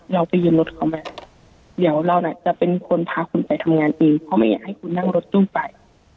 เราไปยืมรถเขาไหมเดี๋ยวเราน่ะจะเป็นคนพาคุณไปทำงานเองเพราะไม่อยากให้คุณนั่งรถตู้ไป